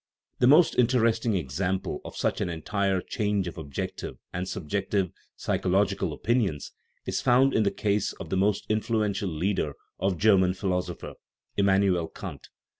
The most interesting example of such an entire change of objective and subjective psychological opin ions is found in the case of the most influential leader of German philosophy, Immanuel Kant.